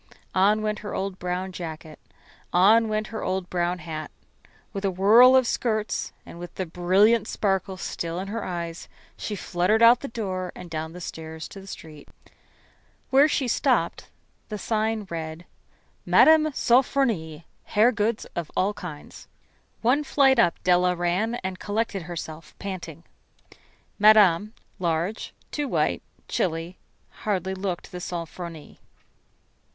On went her old brown jacket; on went her old brown hat. With a whirl of skirts and with the brilliant sparkle still in her eyes, she fluttered out the door and down the stairs to the street. Where she stopped the sign read: "Mme. Sofronie, Hair Goods of All Kinds." One flight up Della ran, and collected herself, panting. Madame, large, too white, chilly, hardly looked the "Sofronie."